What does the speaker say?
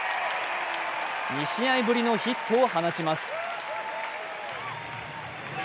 ２試合ぶりのヒットを放ちます。